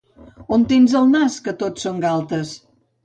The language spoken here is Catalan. On tens el nas, que tot són galtes?